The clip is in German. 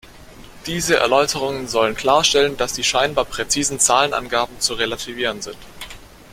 Diese Erläuterungen sollen klarstellen, dass die scheinbar „präzisen“ Zahlenangaben zu relativieren sind.